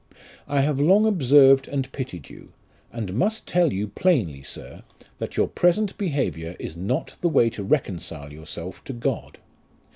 I have long observed and pitied you, and must tell you plainly, sir, that your present behaviour is not the way to reconcile yourself to God.